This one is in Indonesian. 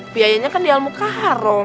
biayanya kan di al mukaharom